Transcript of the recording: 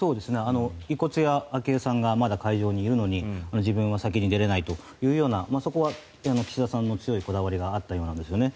遺骨や昭恵さんがまだ会場にいるのに自分は先に出れないというようなそこは岸田さんの強いこだわりがあったようなんですね。